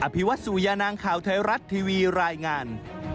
ภิวัตสุยานางข่าวไทยรัฐทีวีรายงาน